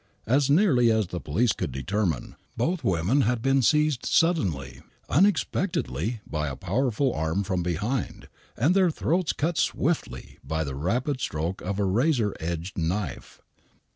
As nearly as the police could determine, both women had been seized suddenly, unexpectedly by a powerful arm from behind, and their throats cut swiftly by the rapid stroke of a razor edged knife.